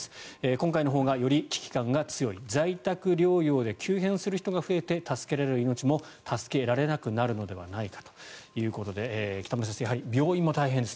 今回のほうがより危機感が強い在宅療養で急変する人が増えて助けられる命も助けられなくなるのではないかということで北村先生、病院も大変です。